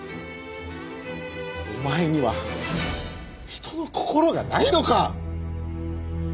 お前には人の心がないのか！